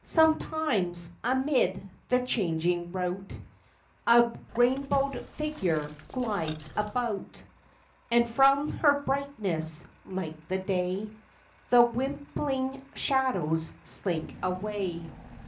Sometimes, amid the changing rout, A rainbowed figure glides about, And from her brightness, like the day, The whimpling shadows slink away.